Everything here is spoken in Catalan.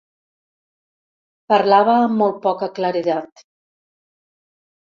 Parlava amb molt poca claredat.